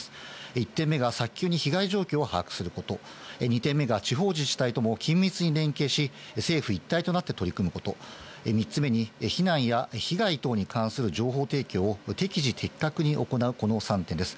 １点目が早急に被害状況を把握すること、２点目が地方自治体とも緊密に連携し、政府一体となって取り組むこと、３つ目に避難や被害等に関する情報提供を適時的確に行うことの３点です。